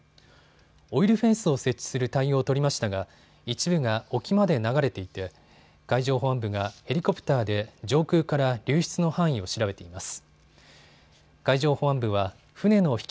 オイルフェンスを設置する対応を取りましたが一部が沖まで流れていて海上保安部がヘリコプターで上空から流出の範囲を調べています。